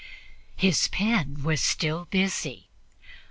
His pen was still busy.